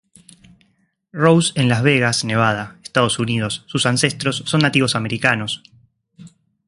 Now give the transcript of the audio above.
Rose en Las Vegas, Nevada, Estados Unidos, sus ancestros son nativos americanos.